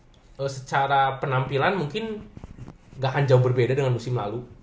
kalau secara penampilan mungkin gak akan jauh berbeda dengan musim lalu